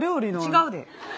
違うで。